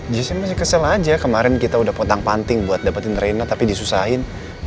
justru masih kesel aja kemarin kita udah potang panting buat dapetin trainer tapi disusahin